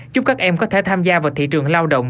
giúp các em có thể tham gia vào thị trường lao động